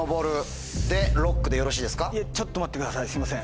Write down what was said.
ちょっと待ってくださいすいません。